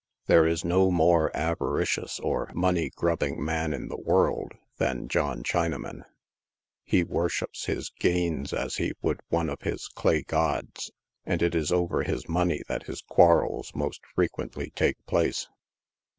There is no more avaricious or money grabbing man in the world than John Chinaman ; he worships his gains as he would one of his clay gods, and it is over his money that his quarrels most frequently take place.